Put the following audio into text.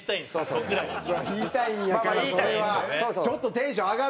ちょっとテンション上がるで。